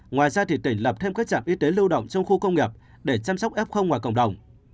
ngoài ra thì tỉnh lập thêm các trạm y tế lưu động trong khu công nghiệp để chăm sóc f ngoài cộng đồng